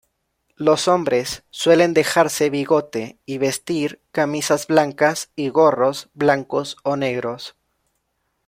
Los hombres suelen dejarse bigote y vestir camisas blancas y gorros blancos o negros.